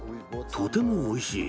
とてもおいしい。